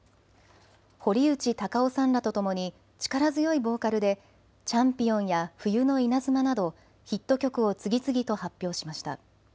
堀内孝雄さんらとともに力強いボーカルでチャンピオンや冬の稲妻などヒット曲を次々と発表しました。